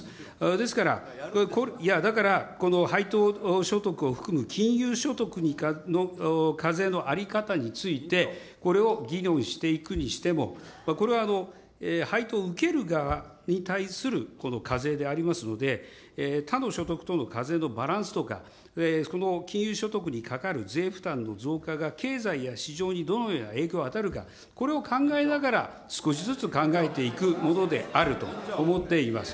ですから、いやだから、この配当所得を含む金融所得の課税の在り方について、これを議論していくにしても、これは配当を受ける側に対するこの課税でありますので、他の所得との課税のバランスとか、金融所得にかかる税負担の増加が経済や市場にどのような影響を与えるか、これを考えながら、少しずつ考えていくものであると思っています。